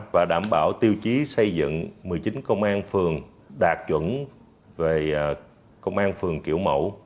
và đảm bảo tiêu chí xây dựng một mươi chín công an phường đạt chuẩn về công an phường kiểu mẫu